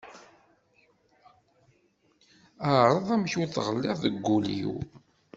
Ԑreḍ amek ur tɣelliḍ deg ul-iw.